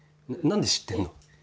何で知ってんの？